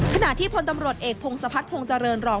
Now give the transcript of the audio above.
ขณะที่พลตำรวจเอกพงศพัฒนภงเจริญรอง